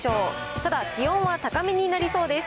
ただ、気温は高めになりそうです。